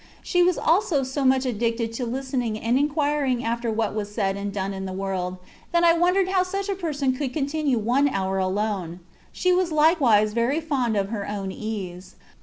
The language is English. She was also so much addicted to listening and inquiring after what was said and done in the world, that I won dered how such a person could continue one hour alone : she was likewise very fond of her own ease.